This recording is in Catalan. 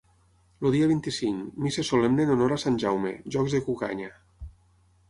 El dia vint-i-cinc: missa solemne en honor a Sant Jaume, jocs de cucanya.